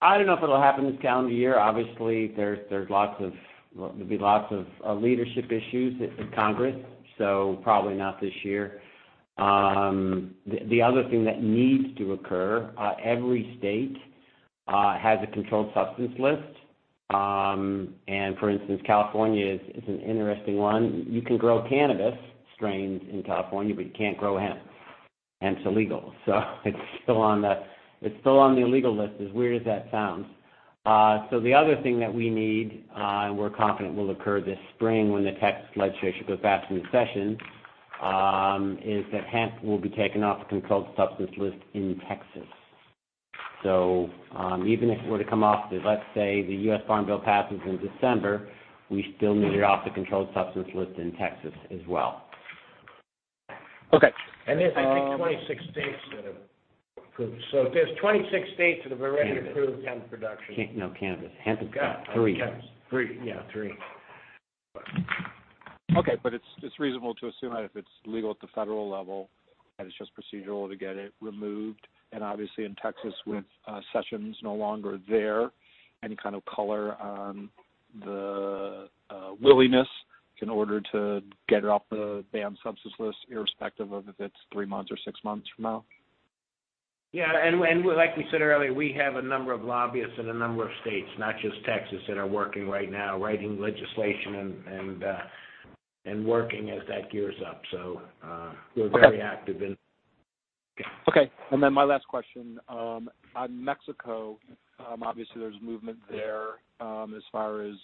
I don't know if it'll happen this calendar year. Obviously, there'd be lots of leadership issues in Congress, probably not this year. The other thing that needs to occur, every state has a controlled substance list. For instance, California is an interesting one. You can grow cannabis strains in California, but you can't grow hemp. Hemp's illegal. It's still on the illegal list, as weird as that sounds. The other thing that we need, and we're confident will occur this spring when the Texas legislature goes back into session, is that hemp will be taken off the controlled substance list in Texas. Even if it were to come off the, let's say, the 2018 Farm Bill passes in December, we still need it off the controlled substance list in Texas as well. Okay. There's, I think, 26 states that have approved. There's 26 states that have already approved hemp production. No, cannabis. Hemp is three. Got it. Okay. Three. Yeah, three. Okay, it's reasonable to assume that if it's legal at the federal level, that it's just procedural to get it removed. Obviously, in Texas, with Sessions no longer there, any kind of color on the willingness in order to get it off the banned substance list, irrespective of if it's three months or six months from now? Yeah, like we said earlier, we have a number of lobbyists in a number of states, not just Texas, that are working right now, writing legislation. Working as that gears up. We're very active in- Okay. My last question, on Mexico, obviously there's movement there, as far as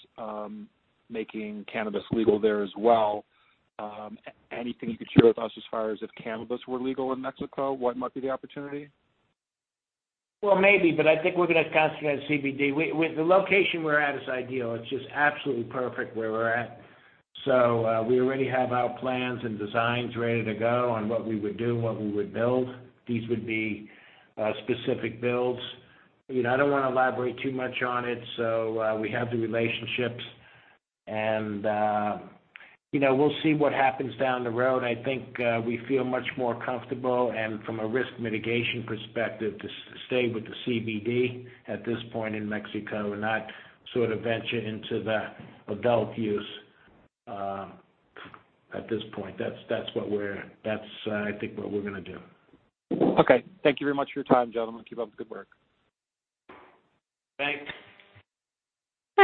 making cannabis legal there as well. Anything you could share with us as far as if cannabis were legal in Mexico, what might be the opportunity? Well, maybe, I think we're going to concentrate on CBD. The location we're at is ideal. It's just absolutely perfect where we're at. We already have our plans and designs ready to go on what we would do and what we would build. These would be specific builds. I don't want to elaborate too much on it. We have the relationships and we'll see what happens down the road. I think we feel much more comfortable, and from a risk mitigation perspective, to stay with the CBD at this point in Mexico and not sort of venture into the adult use at this point. That's, I think, what we're going to do. Okay. Thank you very much for your time, gentlemen. Keep up the good work. Thanks.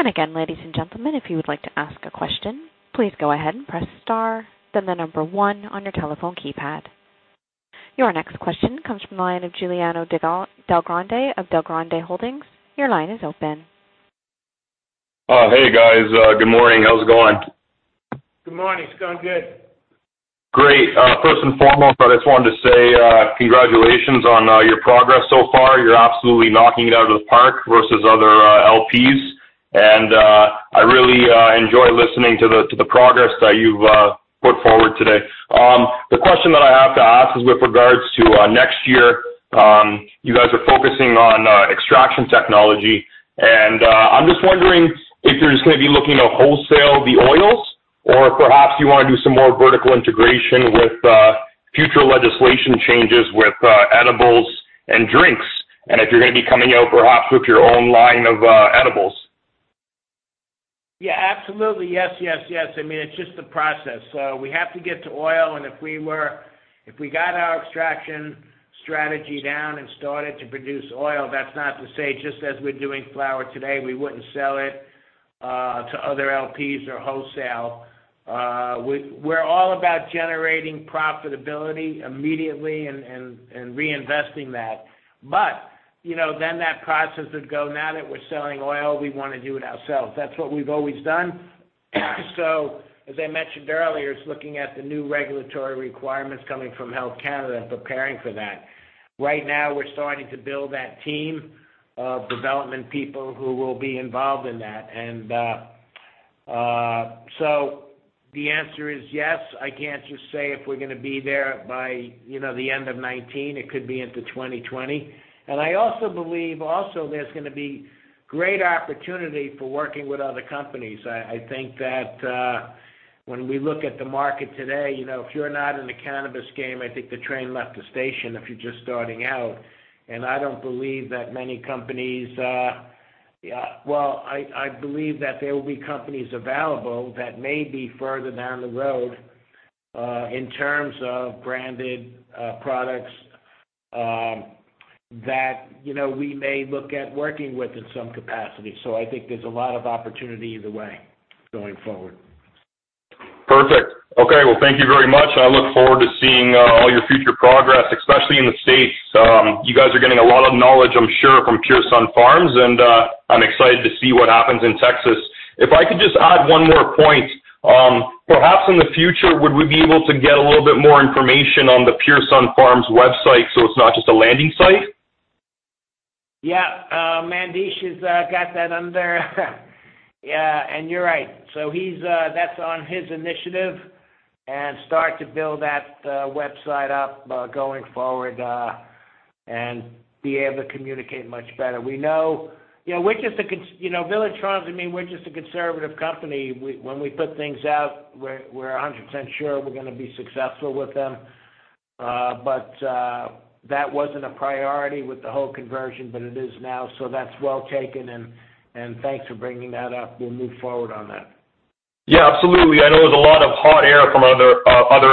Again, ladies and gentlemen, if you would like to ask a question, please go ahead and press star, then 1 on your telephone keypad. Your next question comes from the line of Giuliano Del Grande of Del Grande Holdings. Your line is open. Hey, guys. Good morning. How's it going? Good morning. It's going good. Great. First and foremost, I just wanted to say, congratulations on your progress so far. You're absolutely knocking it out of the park versus other LPs. I really enjoy listening to the progress that you've put forward today. The question that I have to ask is with regards to next year. You guys are focusing on extraction technology, and I'm just wondering if you're just going to be looking to wholesale the oils or if perhaps you want to do some more vertical integration with future legislation changes with edibles and drinks, and if you're going to be coming out perhaps with your own line of edibles. Absolutely. Yes. It's just the process. We have to get to oil, and if we got our extraction strategy down and started to produce oil, that's not to say just as we're doing flower today, we wouldn't sell it to other LPs or wholesale. We're all about generating profitability immediately and reinvesting that. That process would go, now that we're selling oil, we want to do it ourselves. That's what we've always done. As I mentioned earlier, it's looking at the new regulatory requirements coming from Health Canada and preparing for that. Right now, we're starting to build that team of development people who will be involved in that. The answer is yes. I can't just say if we're going to be there by the end of 2019. It could be into 2020. I also believe there's going to be great opportunity for working with other companies. I think that, when we look at the market today, if you're not in the cannabis game, I think the train left the station if you're just starting out. I don't believe that many companies. I believe that there will be companies available that may be further down the road, in terms of branded products, that we may look at working with in some capacity. I think there's a lot of opportunity either way going forward. Perfect. Thank you very much. I look forward to seeing all your future progress, especially in the U.S. You guys are getting a lot of knowledge, I'm sure, from Pure Sunfarms, and I'm excited to see what happens in Texas. If I could just add one more point. Perhaps in the future, would we be able to get a little bit more information on the Pure Sunfarms website so it's not just a landing site? Mandesh has got that under. You're right. That's on his initiative and start to build that website up, going forward, and be able to communicate much better. Village Farms, we're just a conservative company. When we put things out, we're 100% sure we're going to be successful with them. That wasn't a priority with the whole conversion, but it is now. That's well taken and thanks for bringing that up. We'll move forward on that. Yeah, absolutely. I know there's a lot of hot air from other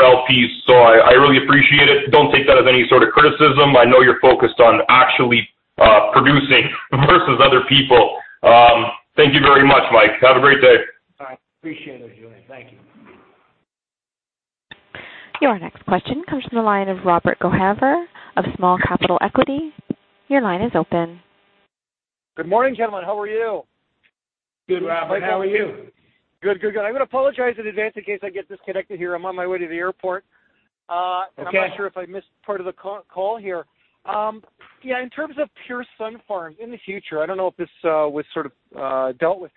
LPs, so I really appreciate it. Don't take that as any sort of criticism. I know you're focused on actually producing versus other people. Thank you very much, Mike. Have a great day. All right. Appreciate it, Giuliano. Thank you. Your next question comes from the line of Robert Gohaver of Small Capital Equity. Your line is open. Good morning, gentlemen. How are you? Good, Robert. How are you? Good. I'm going to apologize in advance in case I get disconnected here. I'm on my way to the airport. Okay. I'm not sure if I missed part of the call here. Yeah, in terms of Pure Sunfarms, in the future, I don't know if this was sort of dealt with,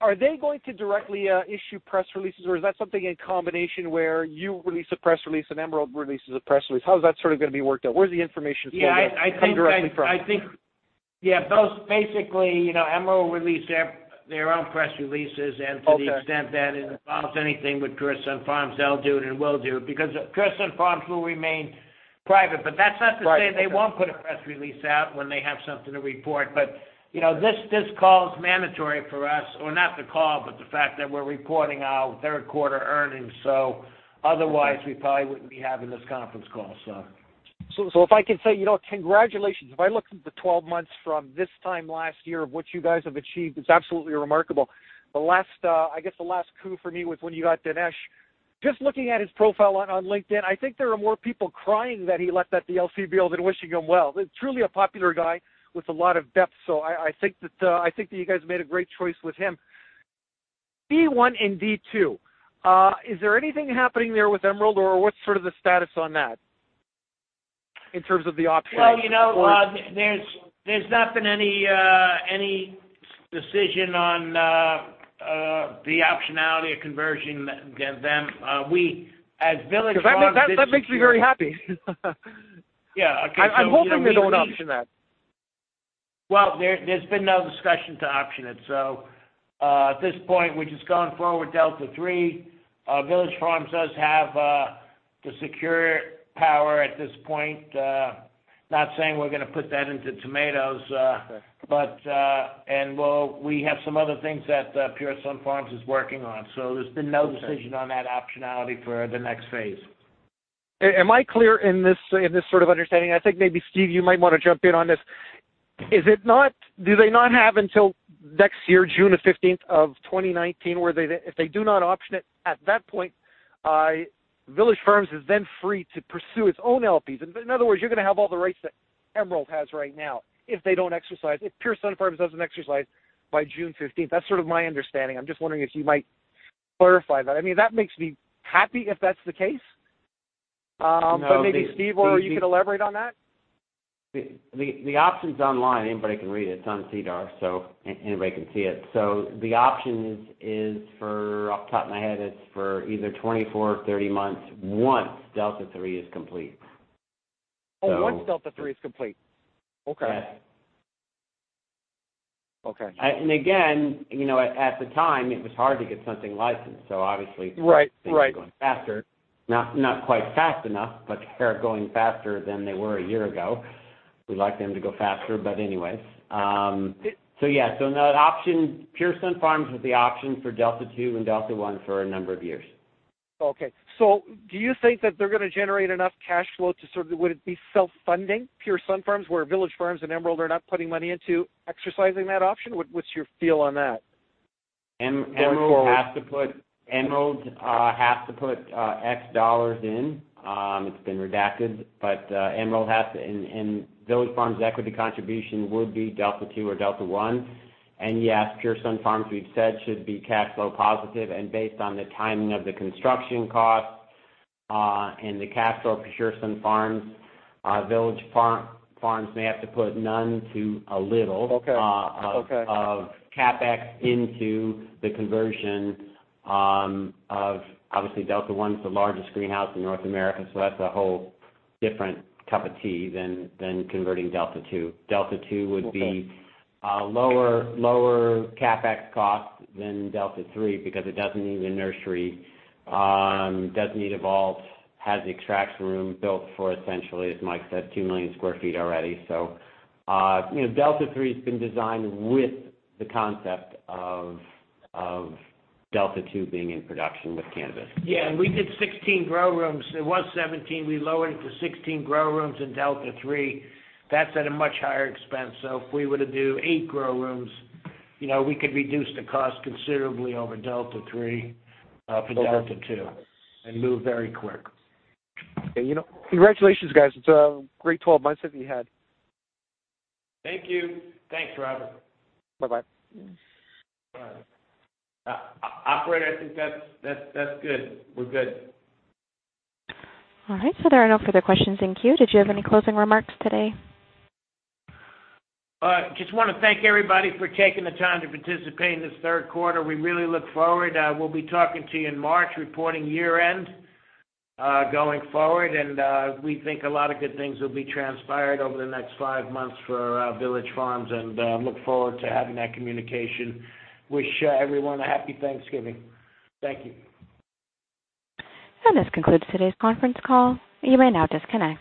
are they going to directly issue press releases or is that something in combination where you release a press release and Emerald releases a press release? How is that going to be worked out? Where is the information flow going to come directly from? Yeah, basically Emerald will release their own press releases and to the extent that it involves anything with Pure Sunfarms, they'll do it and will do. Pure Sunfarms will remain private. That's not to say they won't put a press release out when they have something to report. This call is mandatory for us, or not the call, but the fact that we're reporting our third quarter earnings, otherwise we probably wouldn't be having this conference call. If I can say, congratulations. If I look at the 12 months from this time last year of what you guys have achieved, it's absolutely remarkable. I guess the last coup for me was when you got Dinesh. Just looking at his profile on LinkedIn, I think there are more people crying that he left that the LCBO than wishing him well. He's truly a popular guy with a lot of depth. I think that you guys made a great choice with him. D1 and D2. Is there anything happening there with Emerald or what's sort of the status on that in terms of the options? There's not been any decision on the optionality or conversion them. We, as Village Farms- That makes me very happy. Yeah. Okay. I'm hoping they don't option that. There's been no discussion to option it. At this point, we've just gone forward with Delta 3. Village Farms does have the secure power at this point. Not saying we're going to put that into tomatoes. Okay. We have some other things that Pure Sunfarms is working on. There's been no decision on that optionality for the next phase. Am I clear in this sort of understanding? I think maybe Steve, you might want to jump in on this. Do they not have until next year, June the 15th of 2019, where if they do not option it, at that point, Village Farms is then free to pursue its own LPs? In other words, you're going to have all the rights that Emerald has right now if they don't exercise, if Pure Sunfarms doesn't exercise by June 15th. That's sort of my understanding. I'm just wondering if you might clarify that. That makes me happy if that's the case. Maybe Steve or you could elaborate on that. The option's online, anybody can read it. It's on SEDAR, anybody can see it. The option is for, off the top of my head, it's for either 24 or 30 months once Delta 3 is complete. Oh, once Delta 3 is complete. Okay. Yes. Okay. Again, at the time, it was hard to get something licensed. Right things are going faster. Not quite fast enough, but they're going faster than they were a year ago. We'd like them to go faster, anyways. Yeah, Pure Sunfarms has the option for Delta 2 and Delta 1 for a number of years. Okay. Do you think that they're going to generate enough cash flow to sort of, would it be self-funding, Pure Sunfarms, where Village Farms and Emerald are not putting money into exercising that option? What's your feel on that going forward? Emerald has to put X dollars in. It has been redacted. Emerald has to. Village Farms' equity contribution would be Delta 2 or Delta 1. Yes, Pure Sunfarms we've said should be cash flow positive and based on the timing of the construction cost, and the cash flow for Pure Sunfarms, Village Farms may have to put none to a little- Okay of CapEx into the conversion of, obviously, Delta 1's the largest greenhouse in North America, so that's a whole different cup of tea than converting Delta 2. Delta 2 would be- Okay a lower CapEx cost than Delta 3 because it doesn't need a nursery, doesn't need a vault, has the extraction room built for essentially, as Mike said, 2 million sq ft already. Delta 3's been designed with the concept of Delta 2 being in production with cannabis. We did 16 grow rooms. It was 17. We lowered it to 16 grow rooms in Delta 3. That's at a much higher expense. If we were to do eight grow rooms, we could reduce the cost considerably over Delta 3, for Delta 2, and move very quick. Okay. Congratulations, guys. It's a great 12 months that you had. Thank you. Thanks, Robert. Bye-bye. Bye. Operator, I think that's good. We're good. All right, there are no further questions in queue. Did you have any closing remarks today? Just want to thank everybody for taking the time to participate in this third quarter. We really look forward. We'll be talking to you in March, reporting year-end, going forward. We think a lot of good things will be transpired over the next five months for Village Farms, and look forward to having that communication. Wish everyone a Happy Thanksgiving. Thank you. This concludes today's conference call. You may now disconnect.